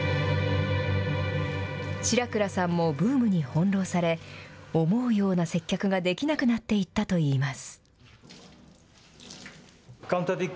白倉さんもブームにほんろうされ思うような接客ができなくなっていったと言います。